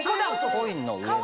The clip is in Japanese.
コインの上の。